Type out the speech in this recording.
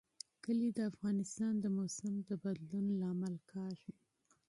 کلي د افغانستان د موسم د بدلون سبب کېږي.